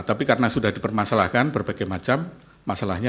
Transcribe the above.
tapi karena sudah dipermasalahkan berbagai macam masalahnya